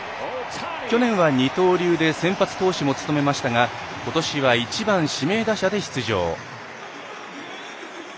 去年は二刀流で先発投手も務めましたがことしは１番、指名打者で出場。